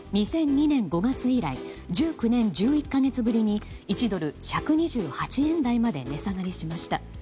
２００２年５月以来１９年１１か月ぶりに１ドル＝１２８円台まで値下がりしました。